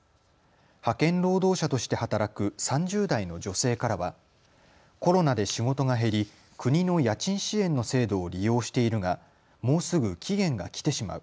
派遣労働者として働く３０代の女性からはコロナで仕事が減り、国の家賃支援の制度を利用しているがもうすぐ期限が来てしまう。